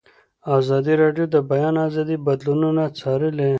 ازادي راډیو د د بیان آزادي بدلونونه څارلي.